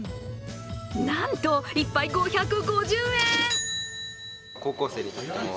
なんと、１杯５５０円！